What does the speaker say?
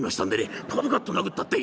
ポカポカッと殴ったって